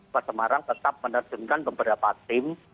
kota semarang tetap menerjunkan beberapa tim